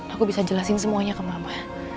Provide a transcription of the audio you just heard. aku bisa jelasin semuanya ke mama